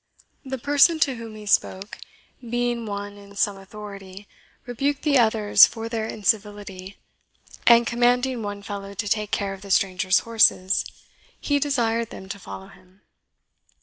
The person to whom he spoke, being one in some authority, rebuked the others for their incivility, and commanding one fellow to take care of the strangers' horses, he desired them to follow him.